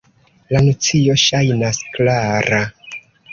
La nocio ŝajnas klara“.